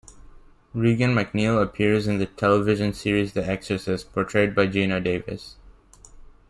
Regan MacNeil appears in the television series "The Exorcist" portrayed by Geena Davis.